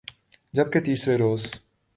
جب کہ تیسرے روز